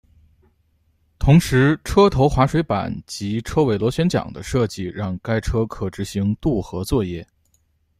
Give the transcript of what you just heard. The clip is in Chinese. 同时车头滑水板及车尾螺旋桨的设计让该车可执行渡河作业。